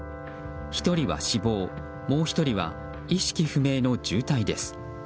１人は死亡もう１人は意識不明の重体です。